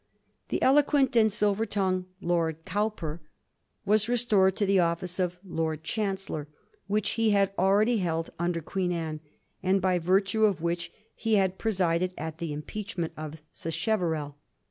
The eloquent and silver tongued Lord Cowper was restored to the office of Lord Chancellor, which he had already held under Queen Anne, and by virtue of which he had presided at the impeachment of Sacheverell.